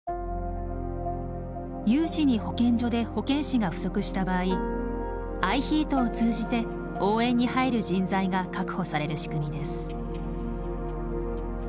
有事に保健所で保健師が不足した場合ＩＨＥＡＴを通じて応援に入る人材が確保される仕組みです。